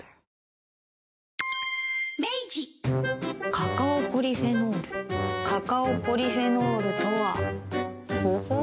カカオポリフェノールカカオポリフェノールとはほほう。